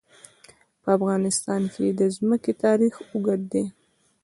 په افغانستان کې د ځمکه تاریخ اوږد دی.